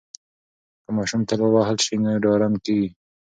که ماشوم تل ووهل سي نو ډارن کیږي.